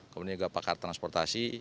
kemudian juga pakar transportasi